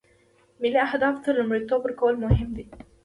ملي اهدافو ته لومړیتوب ورکول مهم دي